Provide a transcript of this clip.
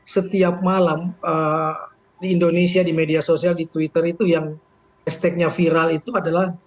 setiap malam di indonesia di media sosial di twitter itu yang hashtagnya viral itu adalah